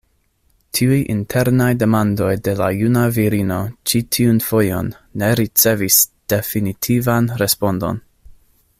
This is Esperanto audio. Tiuj internaj demandoj de la juna virino ĉi tiun fojon ne ricevis definitivan respondon.